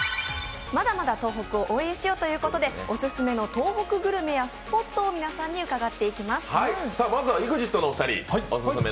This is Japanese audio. まだまだ東北を応援しようということで、オススメの東北グルメやスポットを皆さんに伺っていきます。